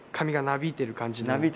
なびいてる感じ。